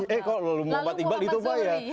eh kalau lalu muhammad iqbal itu apa ya